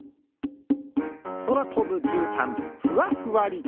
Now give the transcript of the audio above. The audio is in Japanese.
そらとぶじゅうたんふわふわり。